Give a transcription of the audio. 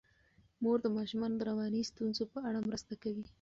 مور د ماشومانو د رواني ستونزو په اړه مرسته کوي.